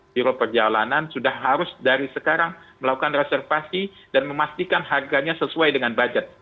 biro perjalanan sudah harus dari sekarang melakukan reservasi dan memastikan harganya sesuai dengan budget